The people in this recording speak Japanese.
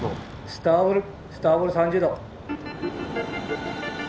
スターボルスターボル３０度。